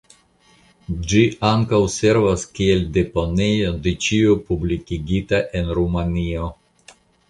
Ĝi ankaŭ servas kiel deponejo de ĉio publikigita en Rumanio.